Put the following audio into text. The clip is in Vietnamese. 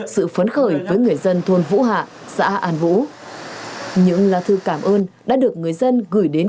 sự phấn khởi với người dân thôn vũ hạ xã an vũ những lá thư cảm ơn đã được người dân gửi đến